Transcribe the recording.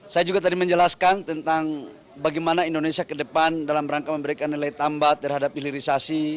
saya juga tadi menjelaskan tentang bagaimana indonesia ke depan dalam rangka memberikan nilai tambah terhadap hilirisasi